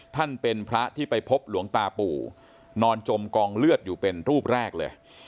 ท่านเป็นพระที่ไปพบหลวงตาปู่นอนจมกองเลือดอยู่เป็นรูปแรกเลย